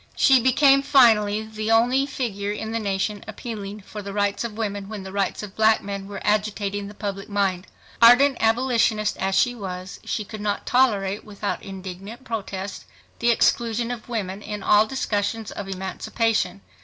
She became finally the only figure in the nation appealing for the rights of women when the rights of black men were agitating the public mind. Ardent abolitionist as she was, she could not tolerate without indignant protest the exclusion of women in all discussions of emancipation.